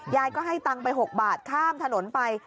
ยายก็ให้ตังค์ไป๖บาทข้ามถนนไป